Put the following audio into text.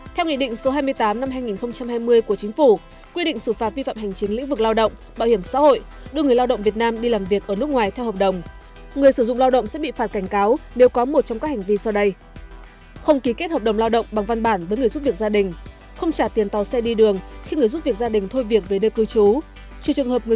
theo nghị định số hai mươi tám năm hai nghìn hai mươi của chính phủ quy định xử phạt vi phạm hành chiến lĩnh vực lao động bảo hiểm xã hội